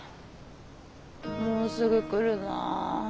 もうすぐ来るなあ。